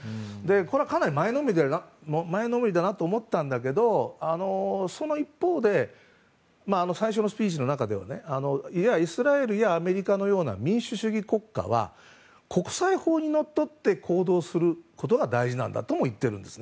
これはかなり前のめりだなと思ったんだけどその一方で最初のスピーチの中ではイスラエルやアメリカのような民主主義国家は国際法にのっとって行動することが大事なんだとも言ってるんです。